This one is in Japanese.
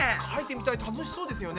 楽しそうですよね。